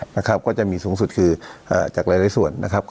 นะครับก็จะมีสูงสุดคือจากหลายส่วนนะครับ